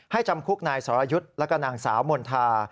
จำคุกนายสรยุทธ์แล้วก็นางสาวมณฑา